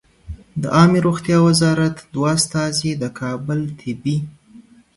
د عامې روغتیا وزارت دوه استازي د کابل طبي